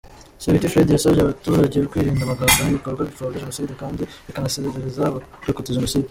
Sabiti Fred yasabye abaturage kwirinda amagambo n’ibikorwa bipfobya Jenoside kandi bikanasesereza abarakotse Jenoside.